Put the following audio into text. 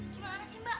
gimana sih mbak